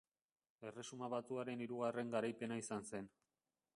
Erresuma Batuaren hirugarren garaipena izan zen.